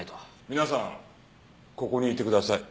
皆さんここにいてください。